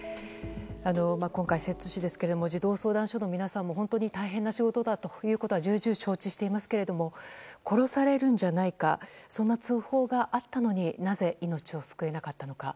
今回、摂津市ですが児童相談所の方も本当に大変な仕事だということは重々承知していますが殺されるんじゃないかそんな通報があったのになぜ命を救えなかったのか。